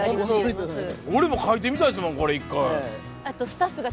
俺も描いてみたいですもん、これ、１回。